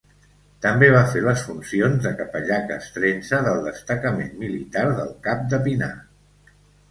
També va fer les funcions de capellà castrense del destacament militar del Cap de Pinar.